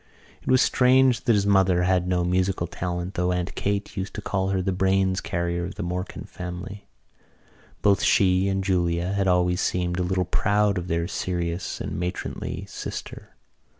It was strange that his mother had had no musical talent though Aunt Kate used to call her the brains carrier of the Morkan family. Both she and Julia had always seemed a little proud of their serious and matronly sister.